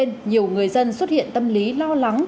nhiều người dân xuất hiện tâm lý lo lắng